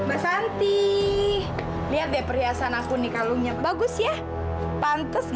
aku terlalu marah yang'll datang